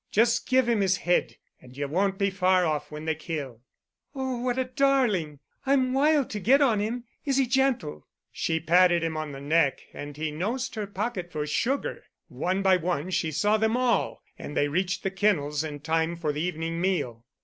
Just give him his head, and you won't be far off when they kill." "Oh, what a darling! I'm wild to get on him. Is he gentle?" She patted him on the neck, and he nosed her pocket for sugar. One by one she saw them all, and they reached the kennels in time for the evening meal.